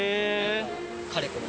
かれこれ。